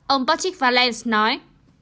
ông patrick vallon nói